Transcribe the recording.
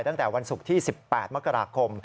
ตั้งแต่วันศุกร์ที่๑๘มกราคม